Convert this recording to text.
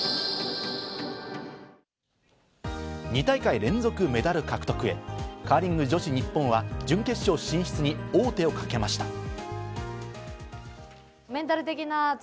２大会連続メダル獲得へ、カーリング女子日本は準決勝進出に王手をかけました。